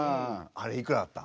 あれいくらだった？